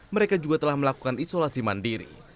mereka juga telah melakukan isolasi mandiri